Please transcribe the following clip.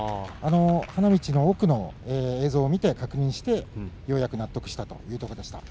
花道の奥の映像を見て確認してようやく納得したということでした。